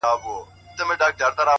راسه دعا وكړو ـ